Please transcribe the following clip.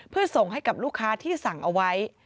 เพื่อส่งให้กับลูกค้าที่สั่งเอาไว้